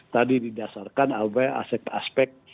tadi didasarkan oleh aspek aspek